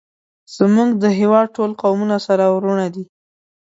زمونږ د هیواد ټول قومونه سره ورونه دی